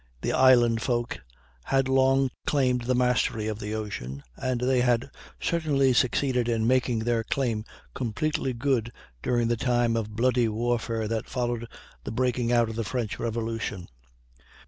The island folk had long claimed the mastery of the ocean, and they had certainly succeeded in making their claim completely good during the time of bloody warfare that followed the breaking out of the French Revolution.